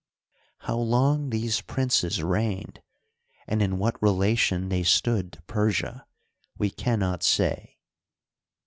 How long these princes reigned, and in what relation they stood to Persia, we can not say.